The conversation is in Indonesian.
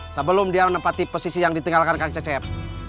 sebelum dia menempati posisi yang ditinggalkan kang cecep